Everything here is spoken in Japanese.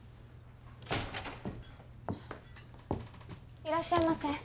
・いらっしゃいませ。